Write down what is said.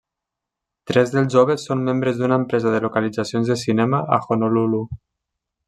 Tres dels joves són membres d'una empresa de localitzacions de cinema a Honolulu.